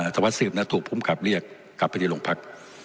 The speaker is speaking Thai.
สวัสดิ์สืบนั้นถูกผู้มีการเรียกกลับไปที่หลวงพรรค